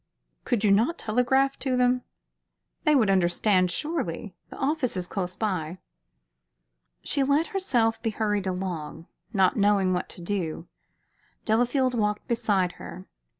"Could you not telegraph to them? They would understand, surely. The office is close by." She let herself be hurried along, not knowing what to do. Delafield walked beside her.